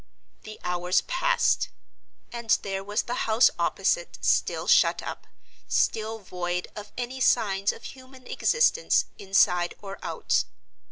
The hours passed—and there was the house opposite still shut up, still void of any signs of human existence inside or out.